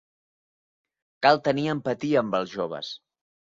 Cal tenir empatia amb els joves.